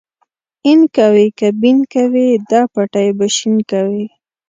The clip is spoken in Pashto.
اين کوې که بېن کوې دا پټی به شين کوې.